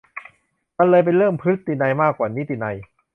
มันเลยเป็นเรื่อง"พฤตินัย"มากกว่านิตินัย